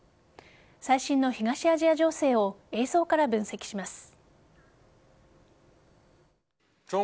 最新の東アジア情勢を映像から分析します。